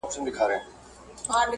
ته څه خبر یې چې له تانه وروسته